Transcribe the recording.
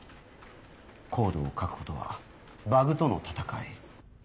コードを書くことはバグとの戦い。